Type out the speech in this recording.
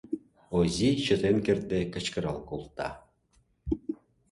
Озий чытен кертде кычкырал колта: